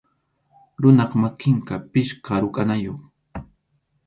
Runap makinqa pichqa rukʼanayuq.